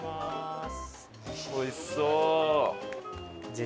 おいしそう！